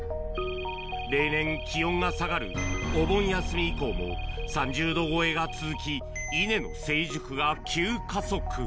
例年、気温が下がるお盆休み以降も、３０度超えが続き、稲の成熟が急加速。